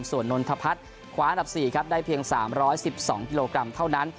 ส่วนนนทพัฒน์คว้าอันดับ๔ครับได้เพียง๓๑๒กิโลกรัมเท่านั้น